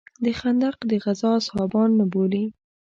د خندق د غزا اصحابان نه بولې.